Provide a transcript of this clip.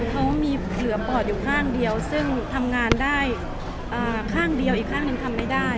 เขามีเหลือปอดอยู่ข้างเดียวซึ่งทำงานได้ข้างเดียวอีกข้างหนึ่งทำไม่ได้